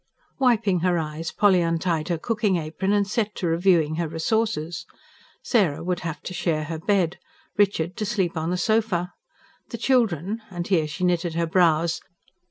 Wiping her eyes Polly untied her cooking apron and set to reviewing her resources. Sarah would have to share her bed, Richard to sleep on the sofa. The children ... and here she knitted her brows.